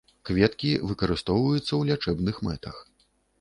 Кветкі выкарыстоўваюцца ў лячэбных мэтах.